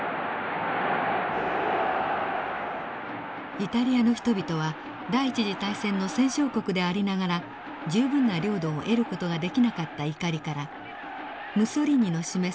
イタリアの人々は第一次大戦の戦勝国でありながら十分な領土を得る事ができなかった怒りからムッソリーニの示す